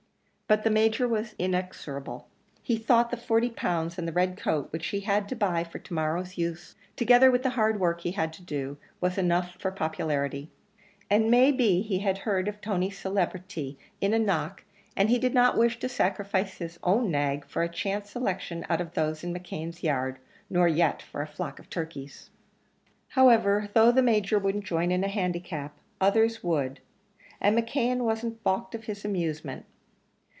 But the Major was inexorable; he thought the £40 and the red coat which he had had to buy for to morrow's use, together with the hard work he had to do, was enough for popularity; and may be he had heard of Tony's celebrity in a knock, and he did not wish to sacrifice his own nag, for a chance selection out of those in McKeon's yard, nor yet for a flock of turkeys. However, though the Major wouldn't join in a handicap, others would and McKeon wasn't baulked of his amusement.